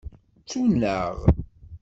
Ttun-aɣ.